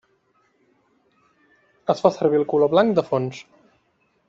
Es fa servir el color blanc de fons.